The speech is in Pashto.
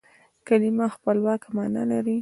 کلیمه خپلواکه مانا لري.